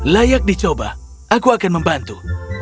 layak dicoba aku akan membantu